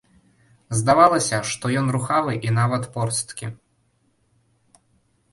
Здавалася, што ён рухавы і нават порсткі.